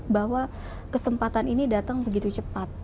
bahwa kesempatan ini datang begitu cepat